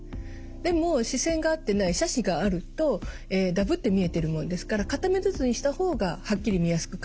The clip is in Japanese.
でも視線が合ってない斜視があるとダブって見えてるもんですから片目ずつにした方がはっきり見やすく感じるんですね。